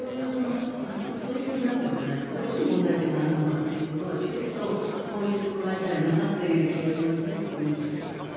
そういうどこに問題点があるのかをきちんと報じてもらいたいなという気がしますね国民としては。